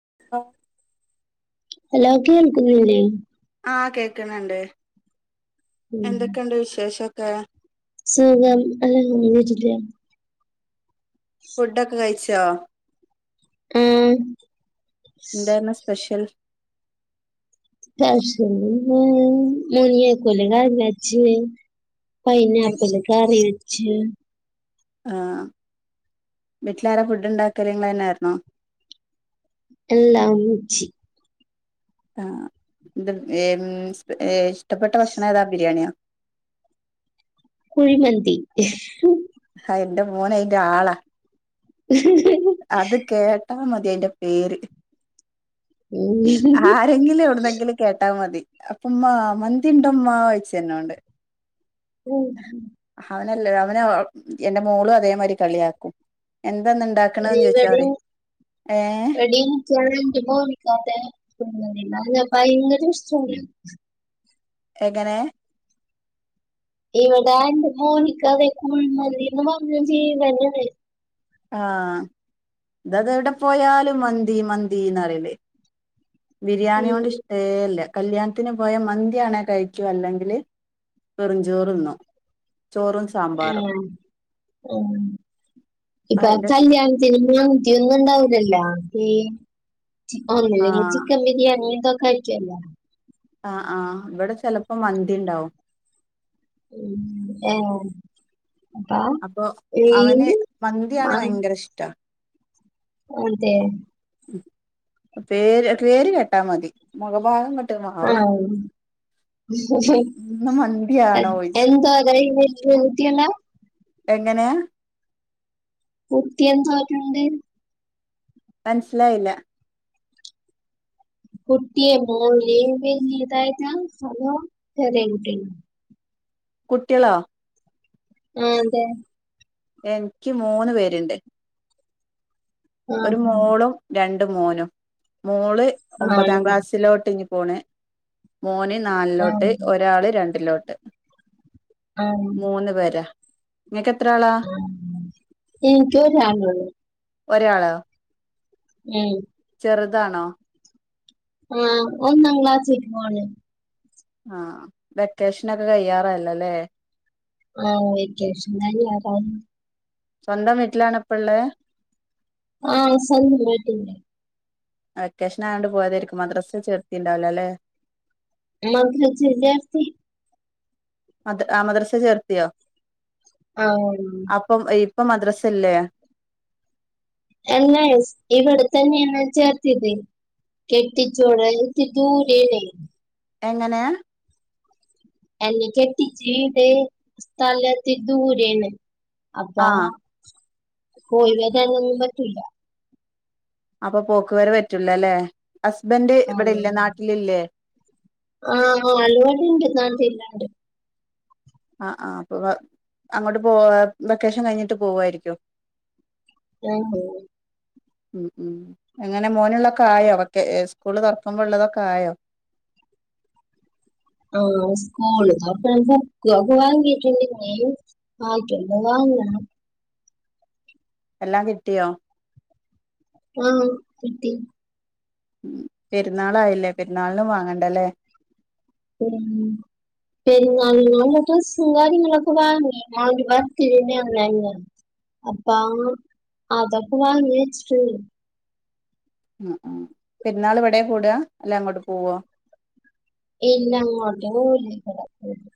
[inaudible] Hello കേൾക്കുന്നില്ലെ ആ കേക്ക്‌ണ് ണ്ട് ഉം എന്തൊക്കെണ്ട് വിശേഷൊക്കെ സുഖം [unintelligible] ഫുഡൊക്കെ കഴിച്ചോ ആ എന്തായിരുന്നു സ്പെഷ്യൽ സ്പെഷ്യല് [unintelligible] പൈനാപ്പിള് കറി വെച്ച് ആ വീട്ടിലാര ഫുഡ് ഉണ്ടാക്ക ഇങ്ങൾ തന്നൊയിരുന്നോ എല്ലാം ഉമ്മച്ചി ആ എത് ഇഷ്ടപ്പെട്ട ഭക്ഷണം ഏതാ ബിരിയാണിയോ കുഴിമന്തി ആ എന്റെ മോന അയിന്റെ ആളാ ഉ അത് കേട്ടാ മതി അയിന്റെ പേര് ആരെങ്കിലേ എവിടുന്നെങ്കിലേ കേട്ടാ മതി അപ്പമ്മ മന്തി ഉണ്ടമ്മ വഴച്ച തന്നോണ്ട് ഉം അവനല്ല അവന എന്റെ മോളും അതേമാതിരി കളിയാക്കും എന്താന്നുണ്ടാക് പ്രീ വെഡിംങ്ങ് വെഡിങ്ങ് [unintelligible] പോക്കാത നല്ല ഭയങ്കര വിഷ്ട എങ്ങനെ ഇവിടെ എന്റെ മോനിക്ക അതെ കുഴിമന്തിന്ന് പറഞ ജീവനാണ് ആഹ് ഇതത് എവിടെ പോയാല മന്തി മന്തിന്ന്റില്ലേ ബിരിയാണി കൊണ്ട് ഉം ഇഷ്ടേല്ലേ കല്യാണത്തിന് പോയ മന്തിയാണേ കഴിക്കു അല്ലെങ്കില് വെറഞ്ചോറ്ന്നും ചോറും സാമ്പാറും ആഹ് ആ ഇപ്പൊ അതിന്റെ കല്യാണത്തി ച ഒന്നും ഉണ്ടാവില്ലല്ലോ ഒന്നെങ്ക ആഹ് ചിക്കൻ ബിരിയാണിക്കൊക്കെ ചല്ല ആ ആഹ് ഇവിടെ ചിലപ്പോ മന്തി ഇണ്ടാവും ഉം ആഹ് അപ്പൊ അവന് മന്തിയാണ് ഭയങ്കര ഇഷ്ട്ട അതെ പേര് പേര് കെട്ടാ മതി മുഖഭാഗം ക ആഹ് ഇന്ന് മന്തിയാണോ ചോയിച്ചും എന്ത രോതി അല്ല എങ്ങനെയാ കുത്തി എന്ത ആട്ടണ്ട് മനസിലായില്ല കുട്ടിയെ മോളി വല്യതായിട്ട ചെറിയ കുട്ടി കുട്ടിയാളോ ആഹ് അതെ എനിക്ക് മൂന്ന് പേരുണ്ട് ആ ഒരു അതെ. മോളും രണ്ടും മോനും മോള് ഒമ്പതാം ആണോ ക്ലാസ്സിലോട്ട് ഇനി പൂണ് മോന് ആ നാലിലോട്ട് ഒരാൾ രണ്ടിലോട്ട് ആ മൂന്ന് പേരാ നിങ്ങക്ക് എത്ര ആളാ ഇന്ക് ഒരാളോള്ളൂ ഒരാളോ ഉം ചെറുതാണോ ആഹ് ഒന്നാം ക്ലാസി പോണേ ആഹ് വെക്കേഷനൊക്കെ കയാറയല്ലോല്ലേ ആഹഹ് വക്കേഷൻ കഴിയാറായി സ്വന്തം വീട്ടിലാാണ് ഇപ്പള്ളേ ആഹ് സ്വന്തം വീട്ടിൽ വെക്കേഷൻ ആയതൊണ്ട് പോയതായിരിക്കും മദ്രസ്ൽ ചേർത്തിടു ണ്ടാവില അല്ലെ മധര ജില്ലാർത്തി മ ആഹ മദ്രസ ചേർത്തിയോ ആഹ അപ്പം ഇപ്പൊ മദ്രാസ ഇല്ലേ അല്ല ഇവിടുത്തന്നെയ എാ ചേർത്തിത് കെട്ടി ചോടെ എ ദൂരെ ആണ്ഏ എങ്ങനെയാ എന്ന കെത്തിച്ചടെ സ്ഥലത്തിരി ദൂരെ ആണ് അപ്പാ ആഹ് പോയി വരാനൊന്നും പറ്റൂല്ല അപ്പൊ പോക്ക് വരെ പറ്റൂലല്ലേ ഹസ്ബന്ഡ് ആ ഇവിടെ ഇല്ലേ നാട്ടിലില്ലേ ആഹ് ആൾ ഇവിടെ ഉണ്ട് നാട്ടിൽ ഇല്ലാണ്ട് ആഹ ആഹ അപ്പൊ അങ്ങോട്ട് പോ വെക്കേഷൻ കഴിഞ്ഞിട്ട് പോവുവായിരിക്കോ ഓ ഹോ ഉം ഉം എങ്ങനെ മോനുള്ളൊക്കെ ആയോ ഒക്കെ സ്കൂള് തുറക്കുമ്പോൾ ഉള്ളതൊക്കെ ആയോ ആഹ സ്കൂൾ ബുക്ക് ഒക്കെ വാങ്ങിട്ടുണ്ട് ഇനി ബാക്കിഏക്കെ വാങ്ങണം എല്ലാം കിട്ടിയോ ആഹ കിട്ടി ഉ പെരുന്നാളായില്ലേ പെരുന്നാളിനും വാങ്ങണ്ടല്ലേ മ്മ് പെരുന്നാളിന് ഉള്ള ഡ്രെസ്സ് കാര്യങ്ങളൊക്കെ വാങ്ങി അവന്റെ ബര്ത്ഡേ ന്റെ അന്നായിരുന് അപ്പ അതൊക്കെ വാങ്ങി വച്ചിട്ട് ഉണ്ട് മ് മ് പെരുന്നാൾ ഇവിടെ കൂടുക അല്ല അങ്ങോട്ട് പോവുവോ ഏയ്‌ ഇല്ല അങ്ങോട്ട് പോകില്ല ഇവിടെ തന്നെ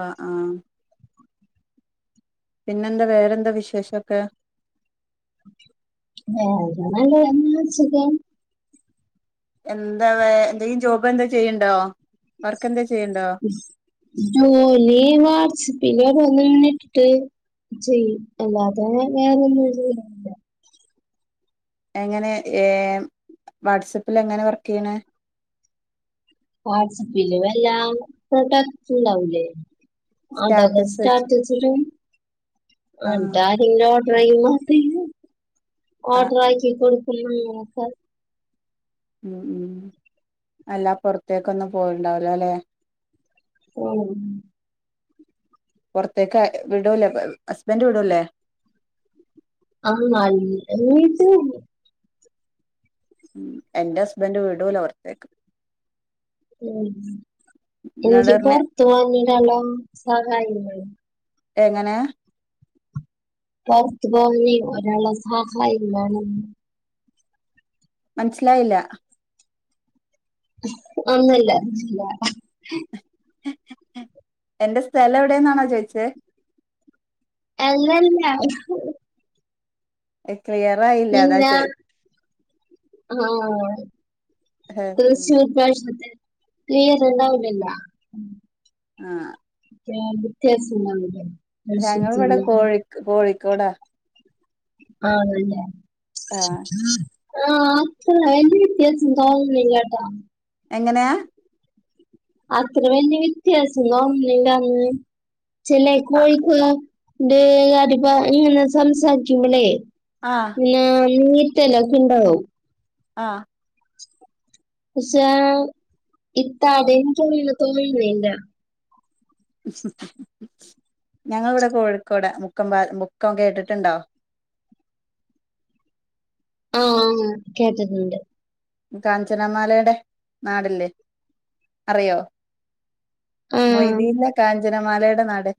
ആഹ പിന്നെന്താ വേറെന്താ വിശേഷംക്കെ വേറെന്താ നല്ലതന്നെ സുഖം എന്താ വേ എന്തെങ്കിലും ജോബ് എന്താ ചെയ്യണ്ടോ വർക്ക് എന്താ ചെയ്യണ്ടോ ജോലി വർച്ച് പിന്നട വന്നണ ഇട്ടിട്ട് ചെയ്യും അല്ലാ അത വേറെൊന്നും എങ്ങനെ വാട്സപ്പിൽ എങ്ങനെ വർക്ക് ചെയണെ വാട്സ്ആപ്പ് ൽ വല പ്രൊഡക്സ് ഉണ്ടാവൂലേ അതൊക്കെ സ്റ്റാറ്റസ് വെച്ചിട്ട് സ്റ്റാറ്റസ് ഇടും ആഹ് എന്നിട്ട് ആരെങ്കിലും ഓഡർചെയ്യുമ്പോൾ ആഹ് ഓഡർ ആക്കികൊടുക്കും [unintelligible] മ് മ് അല്ലാ പുറത്തേക്കൊന്നും പോയിണ്ടാവില്ല അല്ലേ?. മ് പുറത്തേക്ക് വിടൂലേ ഹസ്ബൻ്റ വിടൂല്ലേ?. ആ [inaudible] വീടു ഉം എന്റെ ഹസ്ബൻ്റ വീടുല പുറത്തേക്ക് ഉം എന്നോട് എനിക്ക് പറഞ്ഞ് പൊറുത്ത് പോകുന്നതിനെകാളും എല്ലാം സഹായ എങ്ങനെയാ?. പൊറത്ത് പോയിവീ ഒരാള സഹായം വേണം. മനസ്സിലായില്ല. ഒന്നൂല്ല ഒന്നൂല്ല എന്റെ സ്ഥലം എവിടെന്നാണോ ചോയിച്ചേ. അല്ലല്ല ക്ലിയറായില്ല അതാ പിന്നെ ചോയിച് ആഹ് [unintelligible] ഇപ്രാശ്യത്തെ ക്ലിയറുണ്ടാവുന്നില്ല. ആഹ് ആഹ് വ്യത്യാസണ്ടാവുന്നില്ലേ ഞങ്ങളിവിടെ കോഴി കോഴിക്കോടാ. ആണ് ല്ലേ? ആഹ് ആഹ് അത്ര അ യിന്റെ വ്യത്യാസം ണ്ടാവുന്നില്ല ട്ടാ. എങ്ങനെയാ? അത്ര വല്യ വ്യത്യാസം കാണുന്നില്ലാന്ന്. ചെല എക്കോയിക്ക് ണ്ട് അതിപ്പാ ഇങ്ങനെ സംസാരിക്കുമ്പളേ ആഹ് പിന്ന മീറ്റെല്ലാക്കേണ്ടാവും. ആഹ് പക്ഷേ ഇപ്പ അതെനിക്ക് അങ്ങനെ വലുതൊന്നും വേണ്ട ഞങ്ങളിവിടെ കോഴിക്കോടാ മുക്കം പാ മുക്കം കേട്ടിട്ടുണ്ടോ. ആഹ് കേട്ടിട്ടുണ്ട്. കാഞ്ചനമാലേടെ നാടല്ലേ അറിയോ? ആഹ് മൊയ്തീൻലെ കാഞ്ചനമാലയുടെ നാട്.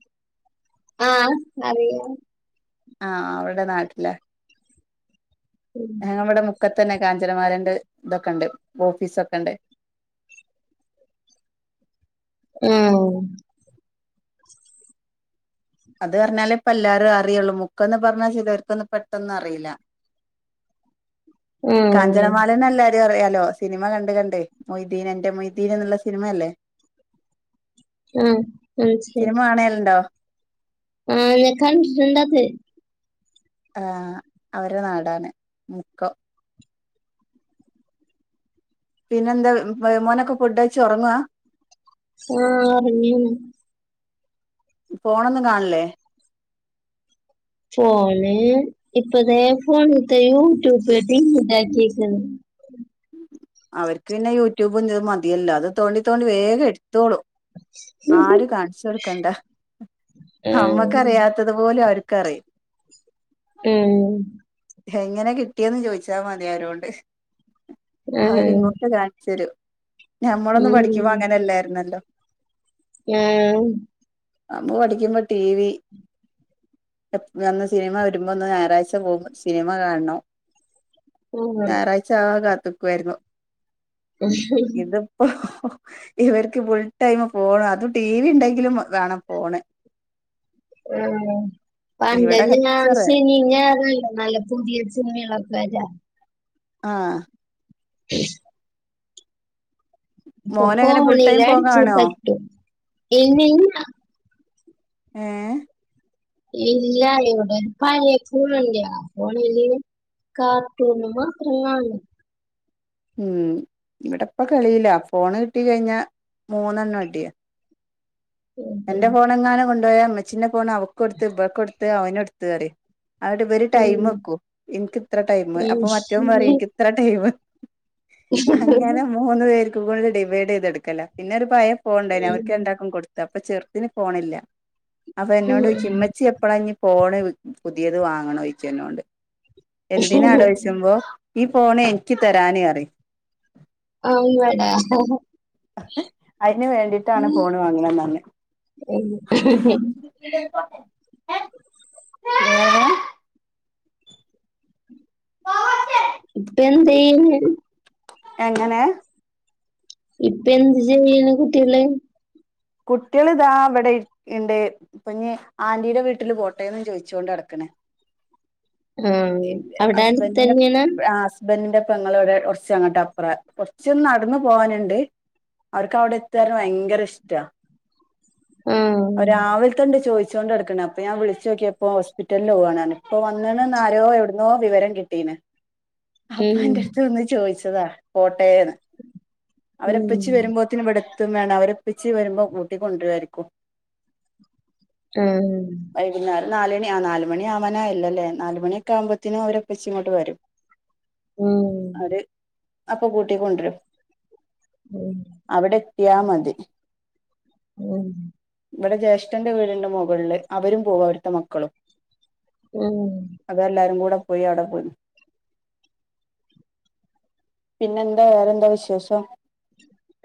ആഹ് അറിയാം. ആഹ് അവരുടെ നാട്ടിലാ, അവിടെ മു ക്കതന്നെ കാഞ്ചനമാലേൻ്റെ ഇതൊക്കെ ണ്ട്, ഓഫീസ് ഒക്കെ ണ്ട്. ഉം അത് പറഞ്ഞാലേ ഇപ്പ എല്ലാരും അറിയുള്ളൂ. മുക്കന്ന് പറഞ്ഞാൽ ചിലവർക്കൊന്നും പെട്ടന്ന് അറിയില്ല. ആഹ് കാഞ്ചനമാല എന്ന് എല്ലാരും അറിയാലോ? സിനിമ കണ്ട് കണ്ടേ, മൊയ്തീൻ എന്റെ മൊയ്തീൻ എന്നുള്ള സിനിമയല്ലേ? ഉം മനസിലായി ണേലുണ്ടോ? ഉം ഞാൻ കണ്ടിട്ടുണ്ടത് ആഹ് അവരെ നാടാണ് മുക്കം. പിന്നെന്താ മോനൊക്കെ ഫുഡ് കയിച്ച് ഒറങ്ങുവാ? ആഹ് പിന്നെ ഫോണൊന്നും കാണില്ലേ? ഫോണ് ഇപ്പതേ ഫോണ് [unintelligible] [unintelligible] ഇണ്ടാക്കീക്കുന്നു. അവർക്ക് പിന്നെ യൂട്യൂബും ഇതും മതിയല്ലോ. അത് തോണ്ടി തോണ്ടി വേഗം എടുത്തോളും ആരും കാണിച്ച് കൊടുക്കണ്ട ആഹ് അമ്മക്കറിയാത് ത്തതുപോലും അവര്ക്കറിയാം. ഉം എങ്ങനെ കിട്ടിയെന്ന് ചോയ്ച്ചാ മതി അവരോട്. ആഹ് അവരിങ്ങോട്ട് കാണിച്ച് തരും ഞമ്മളൊന്നും ഉം. പഠിക്കുമ്പോ അങ്ങനല്ലാരുന്നല്ലോ. ആം നമ്മ പഠിക്കുമ്പോ ടി വി [unintelligible] അന്ന് സിനിമ വരുമ്പോന്ന് ഞായറാഴ്ച പോ [unintelligible] സിനിമ കാണണം. ആഹ് ഞായറാഴ്ചവാൻ കാത്ത്ക്ക്വായിരുന്നു. ഇതിപ്പോ ഇവര്ക്ക് ഫുൾ ടൈമ് ഫോണ് അതും ടി വി ണ്ടെങ്കിലും വാണം ഫോണ്. ആണോ ഇവിടെ പണ്ടെല്ലാം ഞാൻ കച്ചറ ശനിം ഞായറും [unintelligible] നല്ല പുതിയേത് സിനിമയാളപ്പെരാ ആഹ് [unintelligible] ഇപ്പൊ മോനങ്ങനെ ഫുൾ ടൈം ഫോൺ കാണോ [unintelligible] ഏഹ് ഇല്ല്യ ഇവടൊരു പയേ ഫോണ് ണ്ട്. ആ [unintelligible] കാർട്ടൂൺ മാത്രം കാണും. ഉം ഇവടെപ്പ കളീല്ല. ഫോണ് കിട്ടി കഴിഞ്ഞ മൂന്നെണ്ണട്യാ. എന്റെ ഉം. ഫോണങ്ങാനും കൊണ്ടോയാ ഇമ്മച്ചിന്റെ ഫോണ് അവക്കൊട്ത്ത് ഇബക്കൊട്ത്ത് അവനൊട് ത്ത് പറിം. ആട്ബല് ടൈ മെക്കും. ഇൻക്ക്ത്ര ടൈം അപ്പൊ മറ്റോം പറിം ഉം. ഇൻക്ക് ത്ര ടൈമ് അങ്ങനെ മൂന്ന് പേർക്കും കൂടെ ഡിവൈഡെയ്തെട്ക്കല. പിന്നൊരു പയേ ഫോണ് ണ്ടായിന് അവര്ക്ക് രണ്ടാക്കും കൊട്ത്തപ്പൊ ചെർത്തിന് ഫോണില്ല. അപ്പന്നോടോയ്ച് ഉം. ഇമ്മച്ചി എപ്പളാഞ് ഫോണ് പുതിയത് വാങ്ങണോയ്ച്ചെന്നോട് എന്തിനാടായ്ച്ചുമ്പോ ഈ ഫോണ് എൻക്ക് തെരാന് റിം. അമ്പട അയ്ന് വേണ്ടിട്ടാണ് ഫോണ് വാങ്ങണന്നർഞ്ഞെ. വേറെ ഇപ്പെന്തെയ്യുന്നു? എങ്ങനെ? ഇപ്പെന്ത് ചെയ്യുന്നു കുട്ട്യേള്? കുട്ട്യള് ദാ ഇവടെ ഇരിക്ക്ണ്ട്. ഇപ്പഞ് ആന്റീടെ വീട്ടില് പോട്ടെന്നും ചോയിചൊണ്ടട്ക്ക്ണ്. ആ എന്റെ അവിടെ അടുത്ത് ഹസ്ബന്റി [unintelligible] തന്നെയാണ് ആസ് ഹസ്ബന്റിന്റെ പെങ്ങള് വടെ കൊർച്ചങ്ങട്ടപ്പറാ കൊർച്ചൊന്ന് നടന്ന് പോവാന്ണ്ട്. അവര്ക്കവടെ എത്തർഞ്ഞാ ഭയങ്കരിഷ് ട്ടാ ആ രാവിൽതണ്ട് ചോയിച്ചൊണ്ടട്ക്കണ് അ പ്പ ഞാൻ വിളിച്ചോക്ക്യപ്പോ ഹോസ്പിറ്റൽല് പോവാന്നർഞ്ഞ്. ഇപ്പോ വന്ന്ണ്ന്ന് ആരോ യൊട്ന്നോ വിവരം കിട്ടീണ്. ഉം അപ്പെന്റെട്ത്ത് വന്ന് ചോയ്ച്ചതാ പോട്ടെന്ന്. അവരിപ്പച്ചി ഉം വെരുമ്പോ ത്തിന് ഇവടെത്തും [unintelligible] അവരിപ്പച്ചി വെരുമ്പോ കൂട്ടിക്കൊണ്ട്രരിക്കും. ഉം വൈകുന്നേരം നാലു മണി ആ നാല് മണ്യാവാനായല്ലോല്ലേ നാലു മണ്യൊക്കാവുമ്പോത്തിന് ഓരെപ്പച്ചിങ്ങോട്ട് വെരും. ഉം ന്നട്ട് അപ്പൊ കൂട്ടി കൊണ്ട്രും. ഉം അവടെത്ത്യാ മതി. ഉം ഇവിടെ ജ്യേഷ്ഠന്റെ വീടിന്റെ മുകളില് അവരും പോകും അവരുടെ മക്കളും ഉം അതെല്ലാരും കൂടെ പോയി അവിടെ പോയി പിന്നെ എന്താ വേറെന്താ വിശേഷം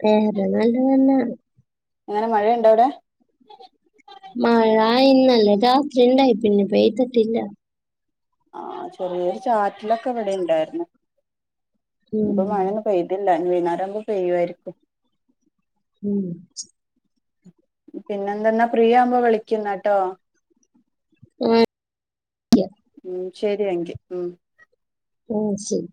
വേറെ നല്ലതന്നാ എങ്ങനെ മഴയുണ്ടോ അവിടെ മഴ ഇന്നലെ രാത്രി ണ്ടായി പിന്നെ പെയ്തിട്ടില്ല ആ ചെറിയോരു ചാറ്റലൊക്കെ ഇവിടെ ഉണ്ടായിരുന്നു ഉം ഇപ്പൊ മഴ ഒന്ന് പെയ്ത് ഇല്ല ഞ്ഞി വൈനേരാകുമ്പോ പെയ്യായിരിക്കും ഉം പിന്നെ എന്ത ന്നാ ഫ്രീയാവുമ്പോ വിളിക്ക് ന്നാട്ടോ ഉം ഉം ശരി അങ്കി ഉം ആ ശരി